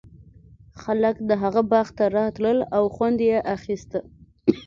خلک د هغه باغ ته راتلل او خوند یې اخیست.